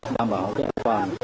đảm bảo cái